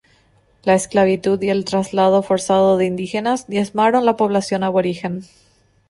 La esclavitud y el traslado forzado de indígenas diezmaron la población aborigen.